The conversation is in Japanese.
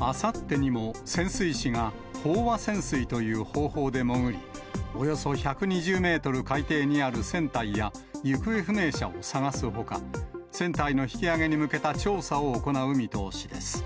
あさってにも潜水士が飽和潜水という方法で潜り、およそ１２０メートル海底にある船体や、行方不明者を捜すほか、船体の引き揚げに向けた調査を行う見通しです。